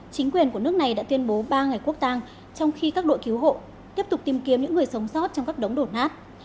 chính quyền của nước này đã tuyên bố ba ngày quốc tàng trong khi các đội cứu hộ tiếp tục tìm kiếm những người sống sót trong các đống đổ nát